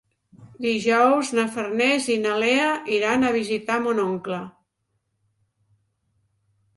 Dijous na Farners i na Lea iran a visitar mon oncle.